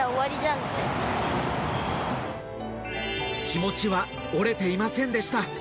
気持ちは折れていませんでした。